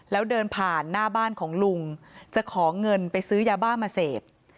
แล้วเดินผ่านหน้าบ้านของลุงจะขอเงินไปซื้อยาบ้ามาเสพ